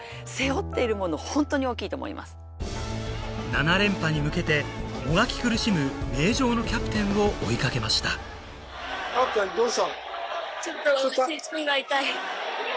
７連覇に向けてもがき苦しむ名城のキャプテンを追いかけましたキャプテンどうしたの？